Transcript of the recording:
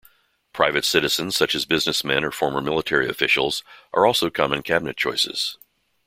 Private citizens such as businessmen or former military officials are also common Cabinet choices.